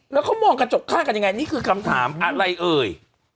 แล้วเขามองกระจกข้างกันยังไงนี่คือคำถามอะไรเอ่ย